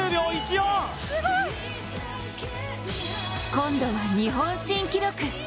今度は日本新記録。